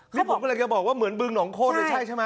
นี่ผมกำลังจะบอกว่าเหมือนบึงหองโคตรเลยใช่ใช่ไหม